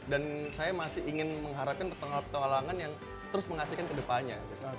dan saya masih ingin mengharapkan petualangan yang terus mengasikkan ke depannya